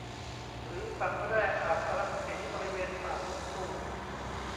หรือฝังแร่อาบรังสีบริเวณปากมดลูก